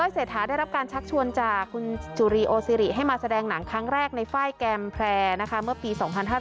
เศรษฐาได้รับการชักชวนจากคุณจุรีโอซิริให้มาแสดงหนังครั้งแรกในไฟล์แกมแพร่นะคะเมื่อปี๒๕๕๙